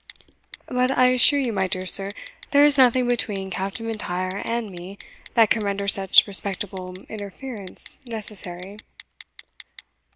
"But I assure you, my dear sir, there is nothing between Captain M'Intyre and me that can render such respectable interference necessary."